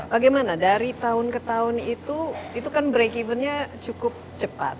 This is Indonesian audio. bagaimana dari tahun ke tahun itu itu kan break evennya cukup cepat